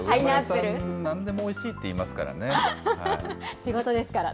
なんでもおいしいって言いま仕事ですから。